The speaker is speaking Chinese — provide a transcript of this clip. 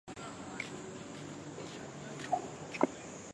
长冠鼠尾草为唇形科鼠尾草属的植物。